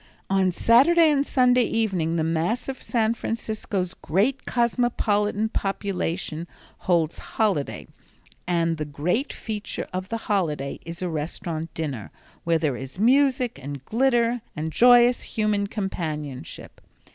On Saturday and Sunday evening the mass of San Francisco's great cosmopolitan population holds holiday and the great feature of the holiday is a restaurant dinner, where there is music, and glitter, and joyous, human companionship.